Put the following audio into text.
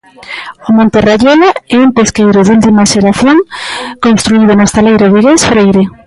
O Monteraiola é un pesqueiro de última xeración construído no estaleiro vigués Freire.